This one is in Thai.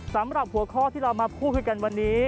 สำหรับหัวข้อที่เรามาพูดคุยกันวันนี้